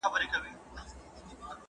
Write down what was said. دا په دې معنی چې باید ډېر واورو.